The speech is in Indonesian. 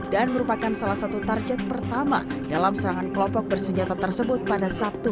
dan merupakan salah satu target pertama dalam serangan kelompok bersenjata tersebut pada sabtu